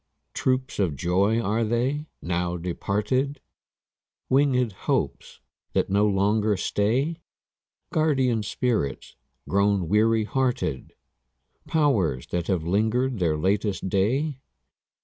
Troops of joys are they, now departed? Winged hopes that no longer stay? Guardian spirits grown weary hearted? Powers that have linger'd their latest day?